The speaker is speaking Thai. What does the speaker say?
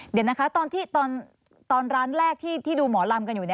เดี๋ยวนะคะตอนร้านแรกที่ดูหมอลำกันอยู่